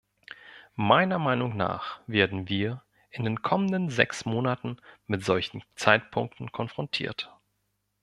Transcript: Meiner Meinung nach werden wir in den kommenden sechs Monaten mit solchen Zeitpunkten konfrontiert.